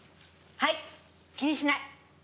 はい気にしない！